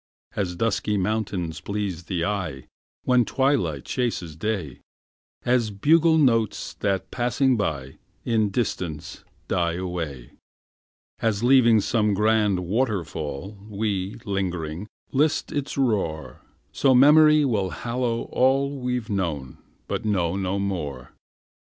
As dusky mountains please the eye When twilight chases day; As bugle notes that, passing by, In distance die away; As, leaving some grand waterfall, We, lingering, list its roar So memory will hallow all We've known but know no more.